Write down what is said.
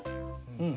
うん。